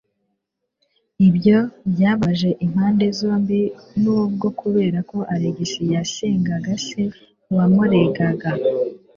Ibyo byababaje impande zombi, nubwo, kubera ko Alex yasengaga se wamureraga.